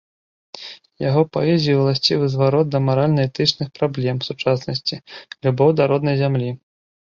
Яго паэзіі ўласцівы зварот да маральна-этычных праблем сучаснасці, любоў да роднай зямлі.